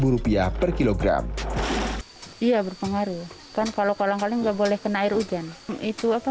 rupiah per kilogram iya berpengaruh kan kalau kolang kali enggak boleh kena air hujan itu apa